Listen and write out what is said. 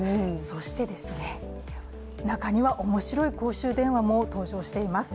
そしてですね、中には面白い公衆電話も登場しています。